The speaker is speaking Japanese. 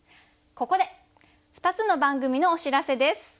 ここで２つの番組のお知らせです。